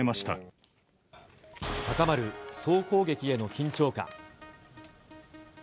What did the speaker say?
たかまる総攻撃への緊張感。